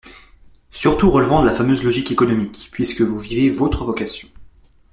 surtout relevant de la fameuse 'logique économique' : puisque vous vivez votre vocation